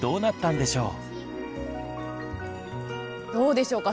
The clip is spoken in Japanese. どうでしょうか？